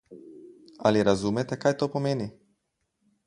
Ali razumete, kaj to pomeni?